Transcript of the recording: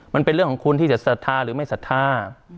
มันเป็นเรื่องของคุณที่จะศรัทธาหรือไม่ศรัทธา